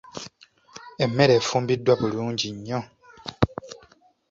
Emmere efumbiddwa bulungi nnyo.